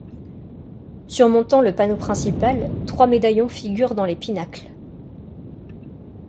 Surmontant le panneau principal, trois médaillons figurent dans les pinacles.